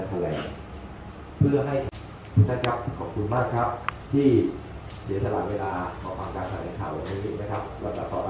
คือก่อนนั้นเนี่ยคุณธนาธรณ์เคยให้สัมภาษณ์ไว้ในหนังสือไอฟอสเทศนะครับ